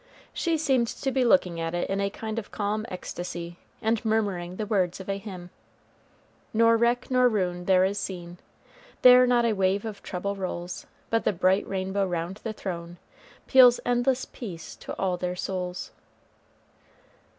She seemed to be looking at it in a kind of calm ecstasy, and murmuring the words of a hymn: "Nor wreck nor ruin there is seen, There not a wave of trouble rolls, But the bright rainbow round the throne Peals endless peace to all their souls."